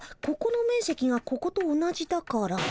ここの面積がここと同じだから。